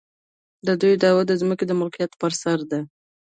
د دوی دعوه د ځمکې د ملکیت پر سر ده.